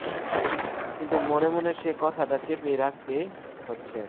কিন্তু মনে মনে সে কথাটা চেপেই রাখতে হচ্ছে।